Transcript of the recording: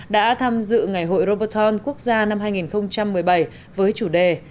đã tham dự ngày hội roberton quốc gia năm hai nghìn một mươi bảy với chủ đề